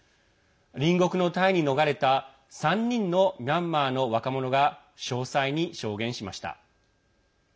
隣国のタイに逃れた３人のミャンマーの若者が詳細に証言しました。